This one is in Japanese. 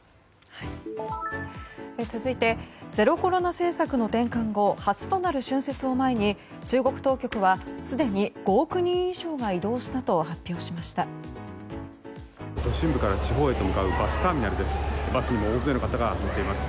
続いてゼロコロナ政策の転換後初となる春節を前に中国当局はすでに５億人以上が移動したと発表しました。